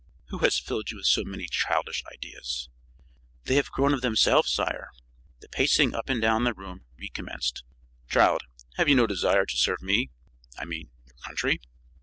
"Who has filled you with so many childish ideas?" "They have grown of themselves, sire." The pacing up and down the room recommenced. "Child, have you no desire to serve me? I mean, your country?"